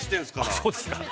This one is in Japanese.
◆あ、そうですか。